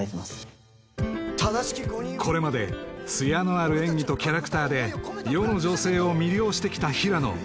これまで艶のある演技とキャラクターで世の女性を魅了してきた平野